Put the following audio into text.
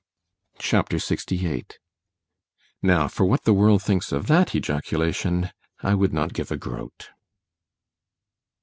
C H A P. LXVIII NOW, for what the world thinks of that ejaculation——I would not give a groat.